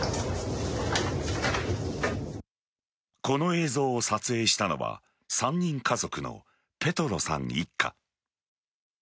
この映像を撮影したのは３人家族のペトロさん一家。